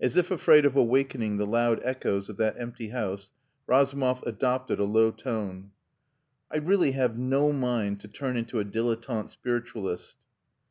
As if afraid of awakening the loud echoes of that empty house, Razumov adopted a low tone. "I really have no mind to turn into a dilettante spiritualist."